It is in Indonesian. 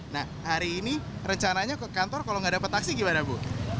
nah hari ini rencananya ke kantor kalau nggak dapat taksi gimana bu